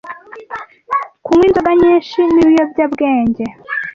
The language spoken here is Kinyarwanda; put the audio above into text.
Kunywa inzoga nyinshi n’ibiyobyabwenge